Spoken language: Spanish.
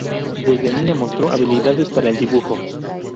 Desde niña mostró habilidades para el dibujo.